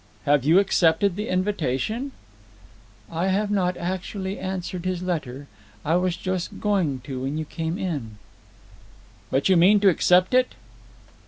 "Have you accepted the invitation?" "I have not actually answered his letter. I was just going to when you came in." "But you mean to accept it?"